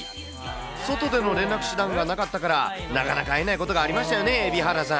外での連絡手段がなかったから、なかなか会えないことがありましたよね、蛯原さん。